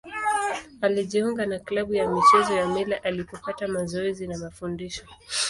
Alijiunga na klabu ya michezo ya Mila alipopata mazoezi na mafundisho.